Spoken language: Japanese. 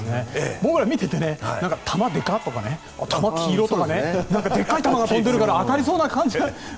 僕らが見ていると球、デカ！とか球、黄色いとかでかい球が飛んでるから当たりそうな感じが。